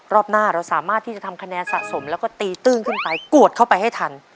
รอบหน้าเราสามารถที่จะทำคะแนนสะสมแล้วก็ตีตื้นขึ้นไปกวดเข้าไปให้ทัน